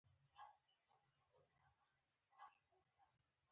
زه ښار ته ځم په هوټل کي به مي کالي بدل کړم.